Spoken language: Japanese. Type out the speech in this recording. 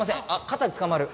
肩につかまる？